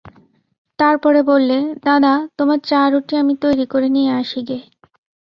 তার পরে বললে, দাদা, তোমার চা-রুটি আমি তৈরি করে নিয়ে আসি গে।